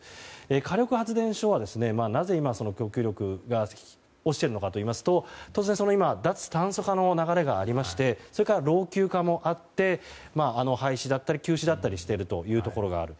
火力発電所はなぜ、今供給力が落ちているのかというと脱炭素化の流れがありまして老朽化もあって廃止だったり休止だったりをしているところがある。